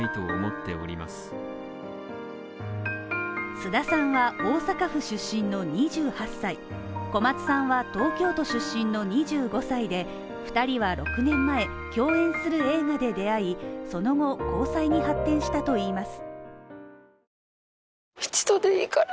菅田さんは大阪府出身の２８歳小松さんは東京都出身の２５歳で、２人は６年前に共演する映画で出会い、その後交際に発展したといいます。